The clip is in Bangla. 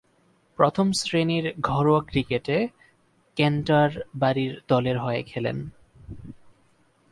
প্রথম-শ্রেণীর ঘরোয়া ক্রিকেটে ক্যান্টারবারি দলের হয়ে খেলেন।